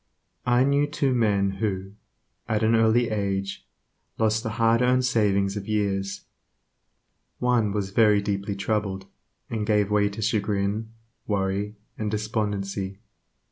I knew two men who, at an early age, lost the hard earned savings of years. One was very deeply troubled, and gave way to chagrin, worry, and despondency.